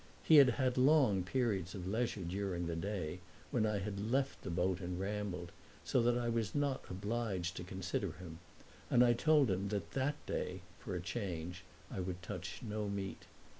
He had had long periods of leisure during the day, when I had left the boat and rambled, so that I was not obliged to consider him, and I told him that that day, for a change, I would touch no meat.